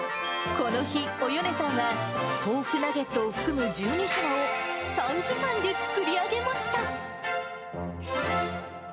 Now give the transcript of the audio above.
この日、およねさんは、豆腐ナゲットを含む１２品を、３時間で作り上げました。